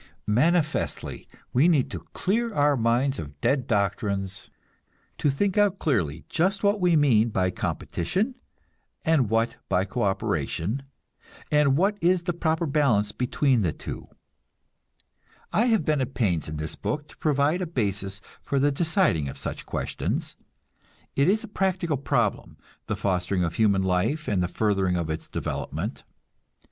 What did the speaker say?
Manifestly, we need to clear our minds of dead doctrines; to think out clearly just what we mean by competition, and what by co operation, and what is the proper balance between the two. I have been at pains in this book to provide a basis for the deciding of such questions. It is a practical problem, the fostering of human life and the furthering of its development.